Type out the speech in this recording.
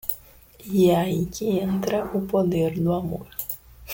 E é aí que entra o poder do amor.